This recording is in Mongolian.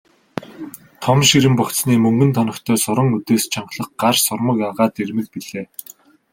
Том ширэн богцны мөнгөн тоногтой суран үдээс чангалах гар сурмаг агаад эрмэг билээ.